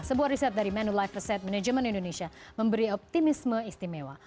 sebuah riset dari manulife reset management indonesia memberi optimisme istimewa